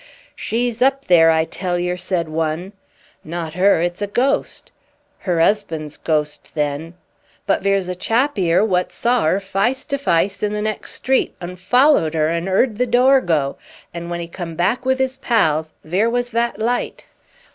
"She's up there, I tell yer," said one. "Not her! It's a ghost." "Her 'usband's ghost, then." "But vere's a chap 'ere wot sore 'er fice to fice in the next street; an' followed 'er and 'eard the door go; an' w'en 'e come back wiv 'is pals, vere was vat light."